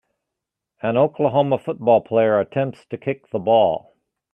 An Oklahoma football player attempts to kick the ball.